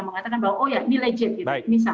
mengatakan bahwa oh ya ini legit gitu